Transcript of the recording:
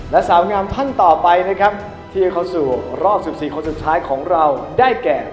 และสาวงามท่านต่อไปนะครับที่จะเข้าสู่รอบ๑๔คนสุดท้ายของเราได้แก่